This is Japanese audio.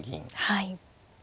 はい。